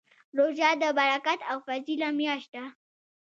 روژه د برکت او فضیله میاشت ده